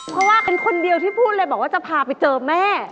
เพราะว่าเป็นคนเดียวที่พูดเลยบอกว่าจะพาไปเจอแม่